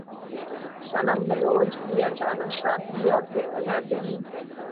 صنم بلوچ کی اچانک شادی اور پھر علیحدگی